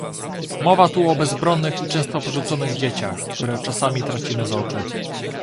Mowa tu o bezbronnych i często porzuconych dzieciach, które czasami tracimy z oczu